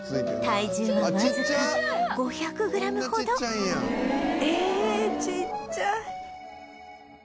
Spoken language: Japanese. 体重はわずか５００グラムほどえちっちゃい。